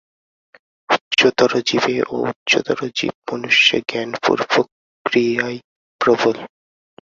উচ্চতর জীবে ও উচ্চতর জীব মনুষ্যে জ্ঞানপূর্বক ক্রিয়াই প্রবল।